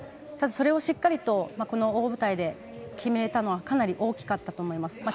ただそれをしっかりとこの大舞台で決められたのはかなり大きかったと思います。